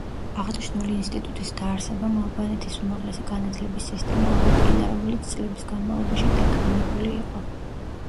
აღნიშნული ინსტიტუტის დაარსებამ, ალბანეთის უმაღლესი განათლების სისტემა აღადგინა, რომელიც წლების განმავლობაში დაკნინებული იყო.